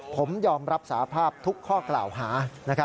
ผมยอมรับสาภาพทุกข้อกล่าวหา